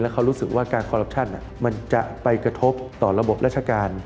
มันโดยการทำมาหากินจะไปกระทบกับระบบรัชการ